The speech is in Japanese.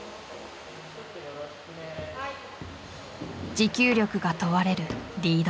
持久力が問われるリード。